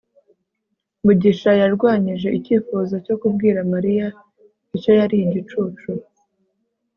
mugisha yarwanyije icyifuzo cyo kubwira mariya icyo yari igicucu